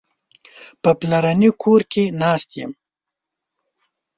په پلرني کور کې ناست یم.